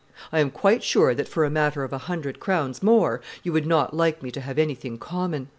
I am quite sure that for a matter of a hundred crowns more, you would not like me to have anything common.